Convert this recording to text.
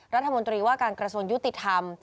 รัฐมนตรีว่าการกระทรวงยุติธรรม